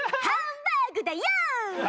ハンバーグだよ！